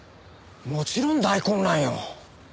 もちろん大混乱よ。